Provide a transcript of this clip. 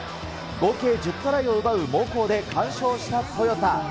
合計１０トライを奪う猛攻で完勝したトヨタ。